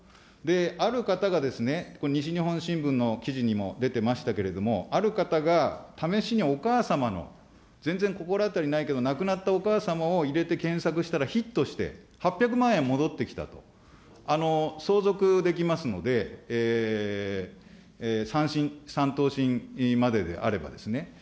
ある方が、これ、西日本新聞の記事にも出てましたけれども、ある方が試しにお母様の、全然心当たりないけども、亡くなったお母さまを入れて検索したらヒットして、８００万円戻ってきたと。相続できますので、３等親までであればですね。